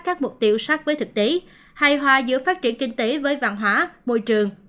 các mục tiêu sát với thực tế hài hòa giữa phát triển kinh tế với văn hóa môi trường